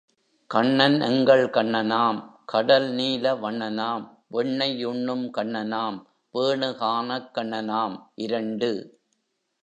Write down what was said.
கண்ணன் எங்கள் கண்ணனாம் கடல் நீல வண்ணனாம் வெண்ணெய் உண்ணும் கண்ணனாம் வேணு கானக் கண்ணனாம் இரண்டு.